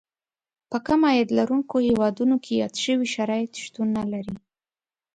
په کم عاید لرونکو هېوادونو کې یاد شوي شرایط شتون نه لري.